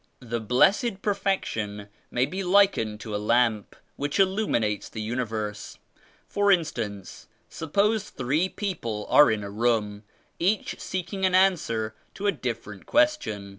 "The Blessed Perfection may be likened to a Lamp which illuminates the Universe. For in 101 stance suppose three people are in a room each seeking an answer to a different question.